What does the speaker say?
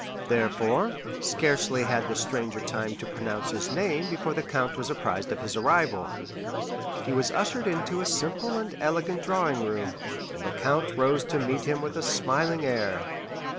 Therefore, scarcely had the stranger time to pronounce his name before the count was apprised of his arrival. He was ushered into a simple and elegant drawing room, and the count rose to meet him with a smiling air.